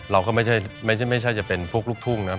เราก็ไม่ใช่จะเป็นพวกลูกทุ่งนะ